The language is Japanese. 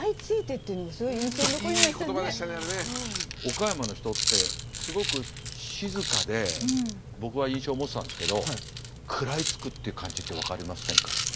岡山の人ってすごく静かで僕は印象を持ってたんですけど食らいつくっていう感じって分かりませんかね？